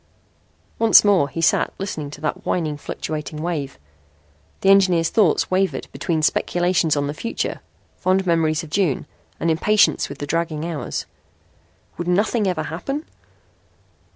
Once more he sat listening to that whining, fluctuating wave. The engineer's thoughts wavered between speculations on the future, fond memories of June and impatience with the dragging hours. Would nothing ever happen?